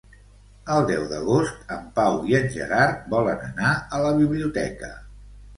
El deu d'agost en Pau i en Gerard volen anar a la biblioteca.